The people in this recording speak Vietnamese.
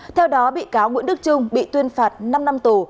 theo đó bị cáo nguyễn đức trung bị tuyên phạt năm năm tù